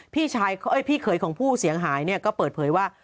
พี่เขยของผู้เสียหายเนี่ยก็เปิดเผยว่า